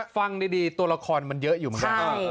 ฟังดีตัวละครมันเยอะอยู่มาก